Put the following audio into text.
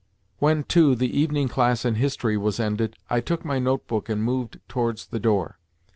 When, too, the evening class in history was ended I took my notebook and moved towards the door.